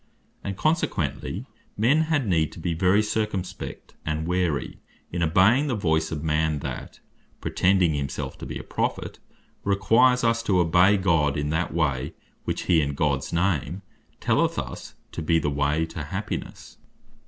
And consequently men had need to be very circumspect, and wary, in obeying the voice of man, that pretending himself to be a Prophet, requires us to obey God in that way, which he in Gods name telleth us to be the way to happinesse.